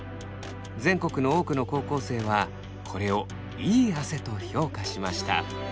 全国の多くの高校生はこれをいい汗と評価しました。